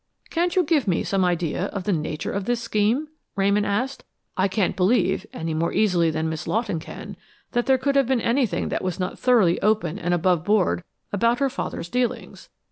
"Can't you give me some idea of the nature of this scheme?" Ramon asked. "I can't believe, any more easily than Miss Lawton can, that there could have been anything that was not thoroughly open and above board about her father's dealings.